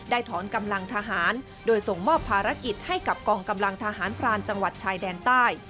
ถอนกำลังทหารโดยส่งมอบภารกิจให้กับกองกำลังทหารพรานจังหวัดชายแดนใต้